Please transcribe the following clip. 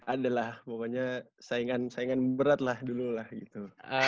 ada lah pokoknya saingan berat lah dulu lah gitu